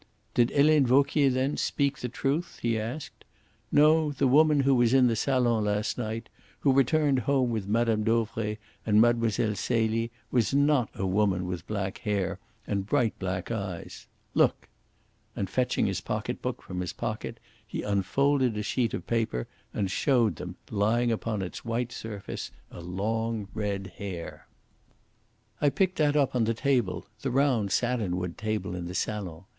"Did Helene Vauquier, then, speak the truth?" he asked. "No; the woman who was in the salon last night, who returned home with Mme. Dauvray and Mlle. Celie, was not a woman with black hair and bright black eyes. Look!" And, fetching his pocket book from his pocket, he unfolded a sheet of paper and showed them, lying upon its white surface a long red hair. "I picked that up on the table the round satinwood table in the salon.